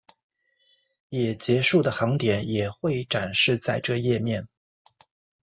也结束的航点也会展示在这页面。